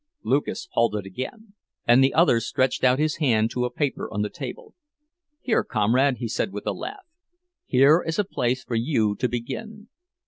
—" Lucas halted again; and the other stretched out his hand to a paper on the table. "Here, comrade," he said, with a laugh, "here is a place for you to begin.